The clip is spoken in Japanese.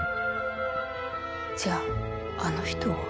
じゃああの人は？